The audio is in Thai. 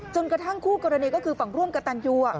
กระทั่งคู่กรณีก็คือฝั่งร่วมกับตันยู